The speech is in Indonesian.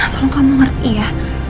tolong kamu ngerti ya